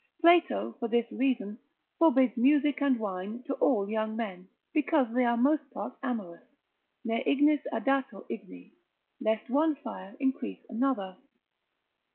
Plato for this reason forbids music and wine to all young men, because they are most part amorous, ne ignis addatur igni, lest one fire increase another.